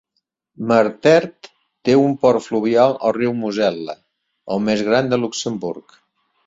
Mertert té un port fluvial al riu Mosel·la, el més gran a Luxemburg.